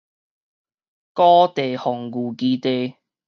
高地防禦基地